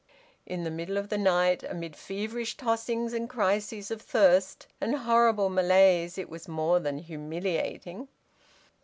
In the middle of the night, amid feverish tossings and crises of thirst, and horrible malaise, it was more than humiliating!